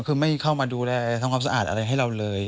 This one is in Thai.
คือไม่เข้ามาดูแลทำความสะอาดอะไรให้เราเลย